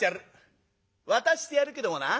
渡してやるけどもな